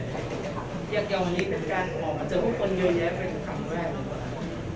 เรียกยาววันนี้เป็นการมาเจอคนเยอะแยะเป็นครั้งแรก